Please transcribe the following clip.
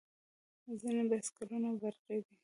ځینې بایسکلونه برقي دي.